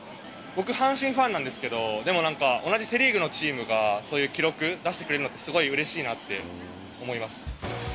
僕阪神ファンなんですけど、でもなんか同じセ・リーグのチームがそういう記録出してくれるのってすごいうれしいなって思います。